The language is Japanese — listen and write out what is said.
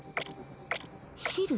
ヒル！？